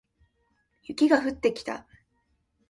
雪が降ってきた